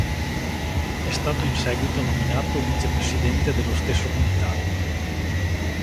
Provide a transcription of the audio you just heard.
È stato in seguito nominato vice presidente dello stesso Comitato.